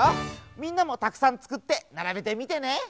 みんなもたくさんつくってならべてみてね。